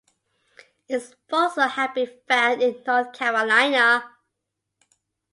Its fossils have been found in North Carolina.